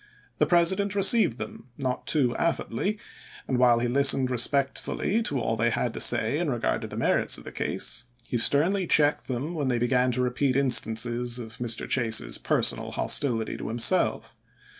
The President received them not too affably, and while he listened respectfully to all they had to say in regard to the merits of the case, he sternly checked them when they began to repeat instances of Mr. Chase's personal hostility to himself.